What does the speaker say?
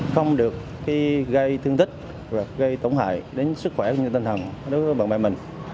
không được gây thương tích hoặc gây tổn hại đến sức khỏe của nhân dân thần